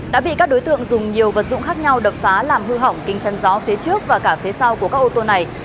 đã bị các đối tượng dùng nhiều vật dụng khác nhau đập phá làm hư hỏng kính chăn gió phía trước và cả phía sau của các ô tô này